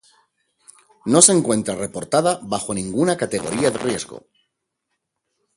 No se encuentra reportada bajo ninguna categoría de riesgo.